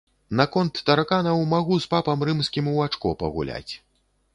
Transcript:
Наконт тараканаў магу з папам рымскім у ачко пагуляць.